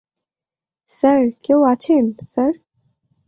Sir, কেউ আছেন, sir?